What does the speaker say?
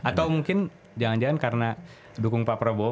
atau mungkin jangan jangan karena dukung pak prabowo